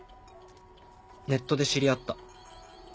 ネットで知り合った。